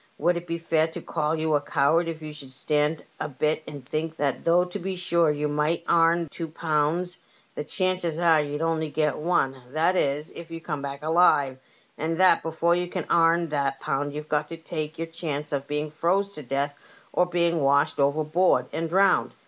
Would it be fair to call you a coward if you should stand a bit and think that though to be sure you might aim two pounds, the chances are you'd only get one, that is, if you come back alive ; and that before you can airn that pound you've got to take your chance of being froze to death or being washed overboard and drowned